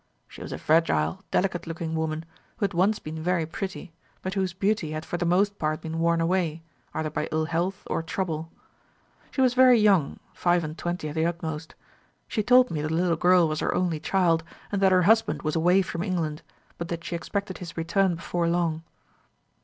She was a fragile delicate looking woman, who had once been very pretty, but whose beauty had for the most part been worn away, either by ill health or trouble. She was very young, five and twenty at the utmost. She told me that the little girl was her only child, and that her husband was away from England, but that she expected his return before long.